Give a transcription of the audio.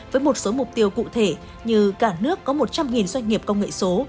với một số mục tiêu cụ thể như cả nước có một trăm linh doanh nghiệp công nghệ số